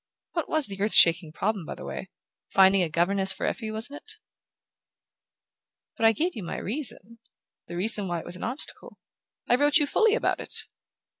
What was the earth shaking problem, by the way? Finding a governess for Effie, wasn't it?" "But I gave you my reason: the reason why it was an obstacle. I wrote you fully about it."